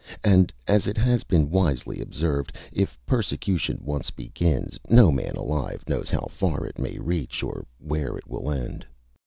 And as it has been wisely observed, if persecution once begins, no man alive knows how far it may reach, or where it will end.